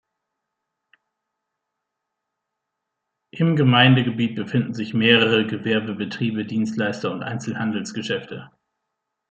Im Gemeindegebiet befinden sich mehrere Gewerbebetriebe, Dienstleister und Einzelhandelsgeschäfte.